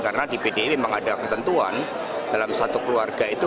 karena di pdi memang ada ketentuan dalam satu keluarga itu